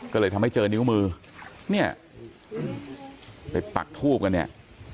ก็เลยทำให้เจอนิ้วมือเนี่ยไปปักทูบกันเนี่ย